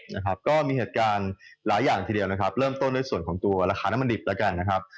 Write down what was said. เนี่ยครับก็มีเหตุการณ์หลายอย่างที่เดียวเริ่มต้นด้วยส่วนราคาน้ำมันดิบ